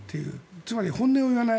つまり、本音を言わない。